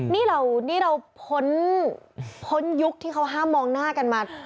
นี่เราพ้นยุคที่เขาห้ามมองหน้ากันมา